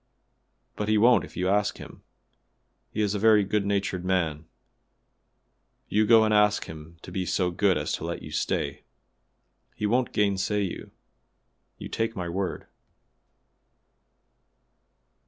"But he won't if you ask him. He is a very good natured man. You go and ask him to be so good as let you stay; he won't gainsay you, you take my word."